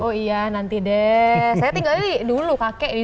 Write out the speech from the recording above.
oh iya nanti deh saya tinggal dulu kakek di sukabumi ya